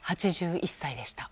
８１歳でした。